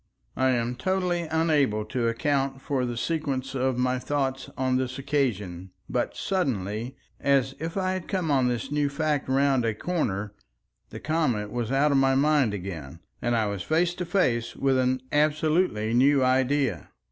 I am totally unable to account for the sequence of my thoughts on this occasion. But suddenly, as if I had come on this new fact round a corner, the comet was out of my mind again, and I was face to face with an absolutely new idea.